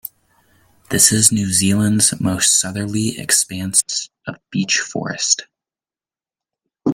This is New Zealand's most southerly expanse of beech forest.